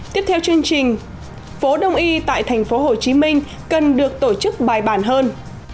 tiếp theo chương trình phố đông y tại tp hcm cần được tổ chức bài bản hơn